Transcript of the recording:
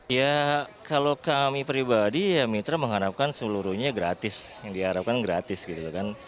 ya kalau kami pribadi ya mitra mengharapkan seluruhnya gratis yang diharapkan gratis gitu kan